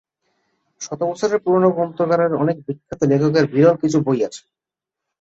শত বছরের পুরানো গ্রন্থাগারে অনেক বিখ্যাত লেখকের বিরল কিছু বই আছে।